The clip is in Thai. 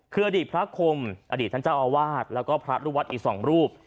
คืออดีตพระคมอดีตท่านเจ้าอาวาสแล้วก็พระลูกวัดอีก๒รูป